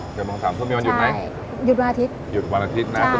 ๗โมงสามทุ่มมีวันหยุดไหมใช่หยุดวันอาทิตย์หยุดวันอาทิตย์นะ